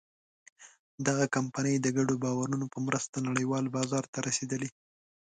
دغه کمپنۍ د ګډو باورونو په مرسته نړۍوال بازار ته رسېدلې.